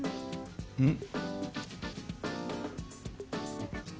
うん？